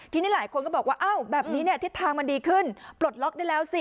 ทีนี้หลายคนก็บอกว่าอ้าวแบบนี้เนี่ยทิศทางมันดีขึ้นปลดล็อกได้แล้วสิ